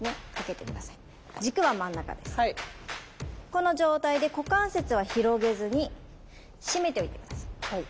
この状態で股関節は広げずに締めておいて下さい。